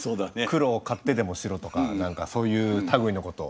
苦労を買ってでもしろとか何かそういう類いのこと。